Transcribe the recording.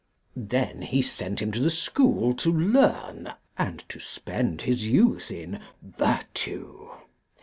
Then he sent him to the school to learn, and to spend his youth in virtue.